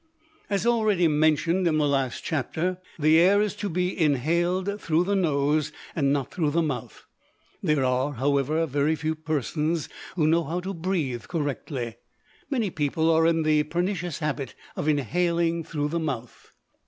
As already mentioned in the last chapter, the air is to be inhaled through the nose, and not through the mouth. There are, however, very few persons who know how to breathe correctly. Many people are in the pernicious habit of inhaling through the mouth.